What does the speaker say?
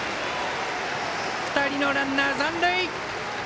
２人のランナー残塁。